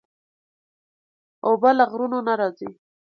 اوبه له غرونو نه راځي.